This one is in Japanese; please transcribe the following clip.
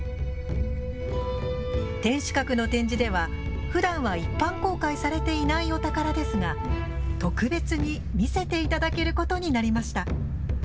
天守閣の展示ではふだんは一般公開されていないお宝ですが特別に見せていただけることになりました。